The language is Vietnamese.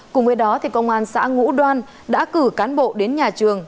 cùng với đó công an xã ngũ đoan đã cử cán bộ đến nhà trường